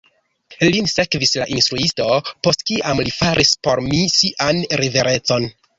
Lin sekvis la instruisto, post kiam li faris por mi sian riverencon.